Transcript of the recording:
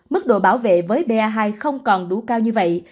mức độ bảo vệ với ba hai không còn đủ cao như vậy